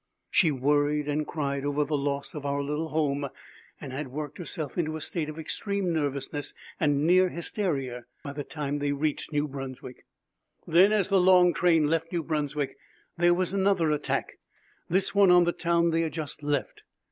She worried and cried over the loss of our little home and had worked herself into a state of extreme nervousness and near hysteria by the time they reached New Brunswick. Then, as the long train left New Brunswick, there was another attack, this one on the town they had just left.